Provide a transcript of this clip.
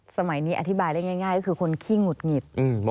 สมัยนี้อธิบายได้ง่ายก็คือคนขี้หงุดหงิด